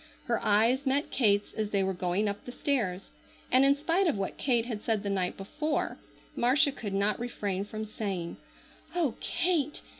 Her eyes met Kate's as they were going up the stairs, and in spite of what Kate had said the night before Marcia could not refrain from saying: "Oh, Kate!